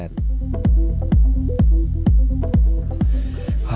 nah ini udah selesai